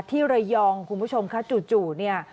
ที่ระยองคุณผู้ชมคะจู่เนี่ย